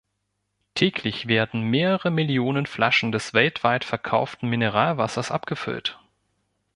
Täglich werden mehrere Millionen Flaschen des weltweit verkauften Mineralwassers abgefüllt.